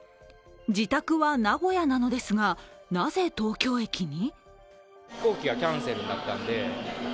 自宅は名古屋なのですがなぜ東京駅に？